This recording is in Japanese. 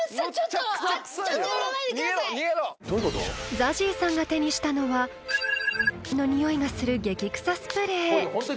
［ＺＡＺＹさんが手にしたのはのにおいがする激くさスプレー］